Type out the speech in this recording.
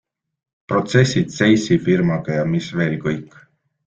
Protsessid Zeissi firmaga ja mis veel kõik.